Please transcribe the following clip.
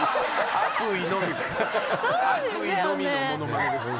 悪意のみのものまねです。